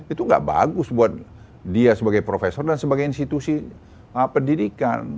itu gak bagus buat dia sebagai profesor dan sebagai institusi pendidikan